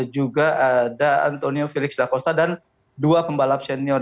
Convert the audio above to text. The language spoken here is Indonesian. juga ada antonio felix dakosa dan dua pembalap senior